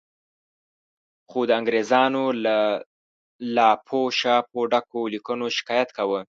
خو د انګریزانو له لاپو شاپو ډکو لیکونو شکایت کاوه.